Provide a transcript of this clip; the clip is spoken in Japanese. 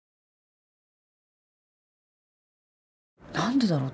何でだろう？